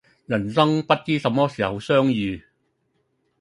人生不知什麼時候相遇